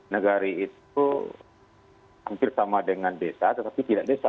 negari itu hampir sama dengan desa tetapi tidak desa